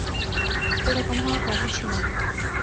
এরকম হওয়ার কথা ছিলো না।